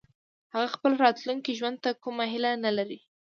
هغه خپل راتلونکي ژوند ته کومه هيله نه لري